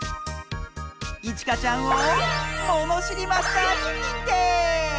いちかちゃんをものしりマスターににんてい！